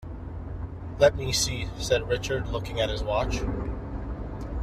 "Let me see," said Richard, looking at his watch.